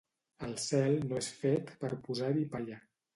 El cel no és fet per posar-hi palla.